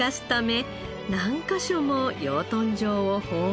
何カ所も養豚場を訪問。